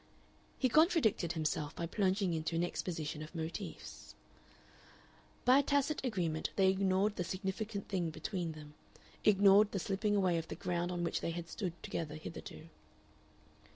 He contradicted himself by plunging into an exposition of motifs. By a tacit agreement they ignored the significant thing between them, ignored the slipping away of the ground on which they had stood together hitherto....